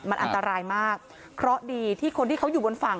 มันอันตรายมากเพราะดีที่คนที่เขาอยู่บนฝั่ง